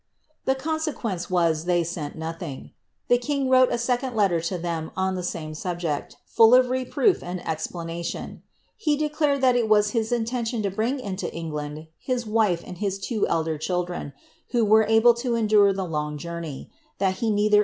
The consequence was, they sent nothing. The kins wt^Kf a second letter to them on the same subject, fidl of reproof .ind e3ipb:;ri tioti. He declared that it was his inienlion to bring into England his "i:V am! Iiis two elder children, who were able to endure the long joum*y; that he neither e.